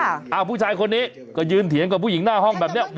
อ้าวผู้ชายคนนี้ก็ยืนเถียงกับผู้หญิงหน้าห้องแบบนี้